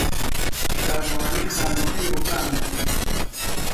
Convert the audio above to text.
شارەوانی خانووەکەی رووخاندن.